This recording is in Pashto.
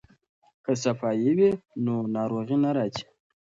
که صفايي وي نو ناروغي نه راځي.